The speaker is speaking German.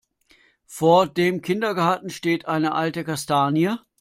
Vor dem Kindergarten steht eine alte Kastanie.